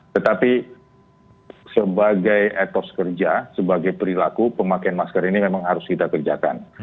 tetapi sebagai etos kerja sebagai perilaku pemakaian masker ini memang harus kita kerjakan